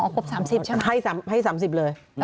ครบ๓๐ใช่ไหมให้๓๐เลย